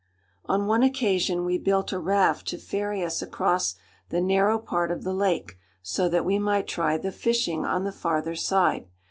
On one occasion we built a raft to ferry us across the narrow part of the lake so that we might try the fishing on the farther side.